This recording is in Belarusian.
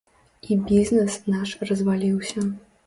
І бізнэс наш разваліўся.